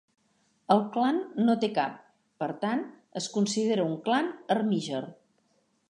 El clan no té cap; per tant es considera un clan armíger.